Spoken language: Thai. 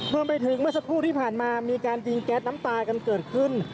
เมื่อไปถึงเมื่อสักครู่ที่ผ่านมามีการยิงแก๊สน้ำตากันเกิดขึ้น